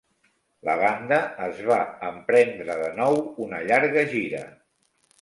La banda es va emprendre de nou una llarga gira.